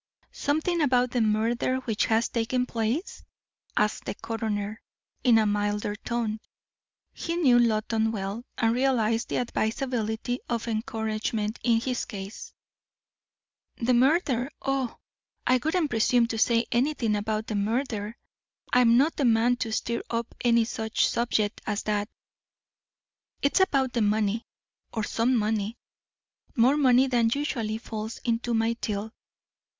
"Something about the murder which has taken place?" asked the coroner, in a milder tone. He knew Loton well, and realised the advisability of encouragement in his case. "The murder! Oh, I wouldn't presume to say anything about the murder. I'm not the man to stir up any such subject as that. It's about the money or some money more money than usually falls into my till.